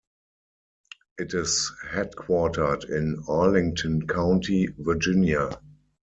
It is headquartered in Arlington County, Virginia.